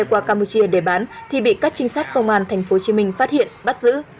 qua campuchia để bán thì bị các trinh sát công an tp hcm phát hiện bắt giữ